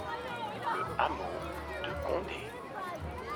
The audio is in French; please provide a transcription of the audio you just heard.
Le hameau de Condé.